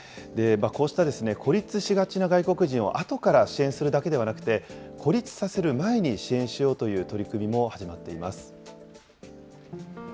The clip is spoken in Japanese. こうした孤立しがちな外国人を後から支援するだけではなくて、孤立させる前に支援しようという取り組みも始まっています。